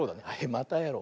またやろう！